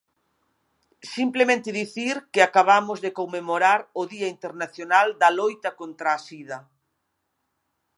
Simplemente dicir que acabamos de conmemorar o Día internacional da loita contra a sida.